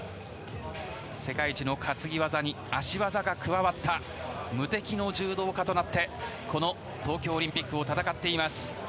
世界一の担ぎ技に足技が加わった無敵の柔道家となってこの東京オリンピックを戦っています。